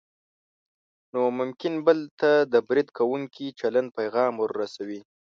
نو ممکن بل ته د برید کوونکي چلند پیغام ورسوي.